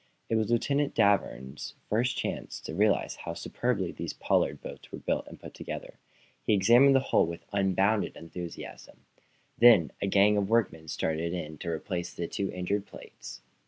It was Lieutenant Danvers's first chance to realize how superbly these Pollard boats were built and put together. He examined the hull with unbounded enthusiasm. Then a gang of workmen started in to replace the two injured plates.